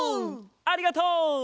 ありがとう！